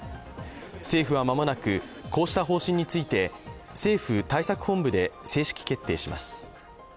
政府は間もなく、こうした方針について政府対策本部で正式決定します。